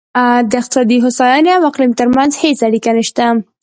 د اقتصادي هوساینې او اقلیم ترمنځ هېڅ اړیکه نشته.